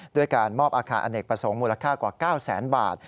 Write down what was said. ด้วยการมอบอาคารอเนกประสงค์มูลค่ากว่า๙แสนบาท